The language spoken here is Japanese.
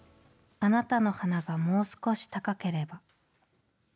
「あなたの鼻がもう少し高ければ」。